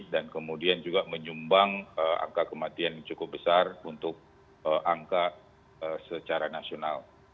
dan kemudian juga menyumbang angka kematian yang cukup besar untuk angka secara nasional